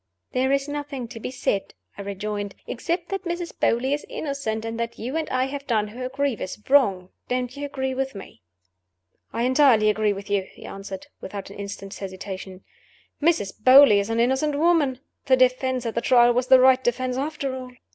"There is nothing to be said," I rejoined, "except that Mrs. Beauly is innocent, and that you and I have done her a grievous wrong. Don't you agree with me?" "I entirely agree with you," he answered, without an instant's hesitation. "Mrs. Beauly is an innocent woman. The defense at the Trial was the right defense after all."